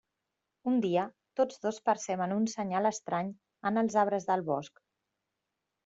Un dia, tots dos perceben un senyal estrany en els arbres del bosc.